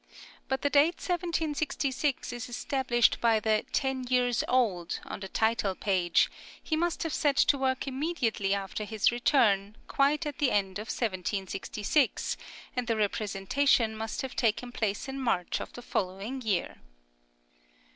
But the date 1766 is established by the "10 years old" on the title page; he must have set to work immediately after his return, quite at the end of 1766, and the representation must have taken place in March of the following year.